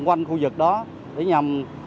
quanh khu vực đó để nhằm